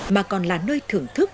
mà còn là nơi thưởng thức